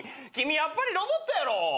君やっぱりロボットやろ？